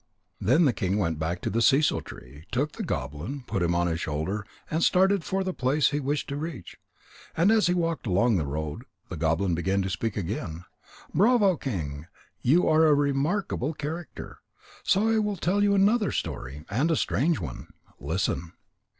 _ Then the king went back to the sissoo tree, took the goblin, put him on his shoulder, and started for the place he wished to reach. And as he walked along the road, the goblin began to talk again: "Bravo, King! You are a remarkable character. So I will tell you another story, and a strange one. Listen."